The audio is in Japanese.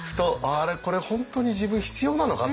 これ本当に自分必要なのかっていう。